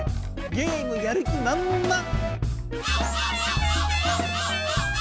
ゲームやる気まんまん！